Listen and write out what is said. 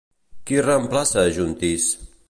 Qui reemplaça a Juntís?